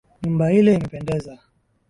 Nyumba ile imependeza